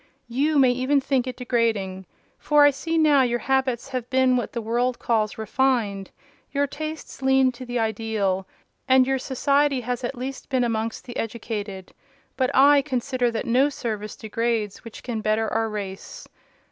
You may even think it degrading—for I see now your habits have been what the world calls refined: your tastes lean to the ideal, and your society has at least been amongst the educated; but I consider that no service degrades which can better our race.